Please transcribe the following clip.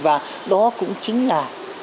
và đó cũng chính là